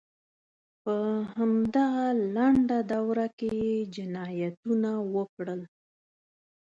په همدغه لنډه دوره کې یې جنایتونه وکړل.